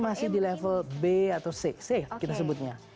masih di level b atau c kita sebutnya